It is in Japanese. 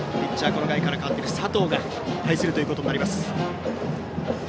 この回から代わっている佐藤が対するということになります。